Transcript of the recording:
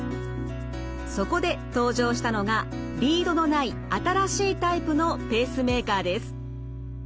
そこで登場したのがリードのない新しいタイプのペースメーカーです。